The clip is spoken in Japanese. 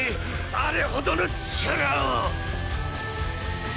あれほどの力を！